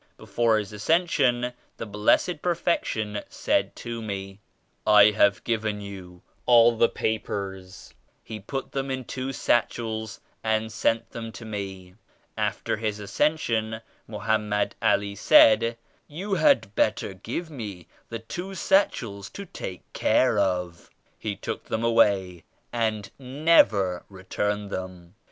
Before His As cension, the Blessed Perfection said to me *I have given you all the papers.' He put them in two satchels and sent them to me. After His Ascension, Mohammed Ali said Tou had bet ter give me the two satchels to take care of,' He took them away and never returned them.